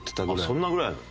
そんなぐらいなの？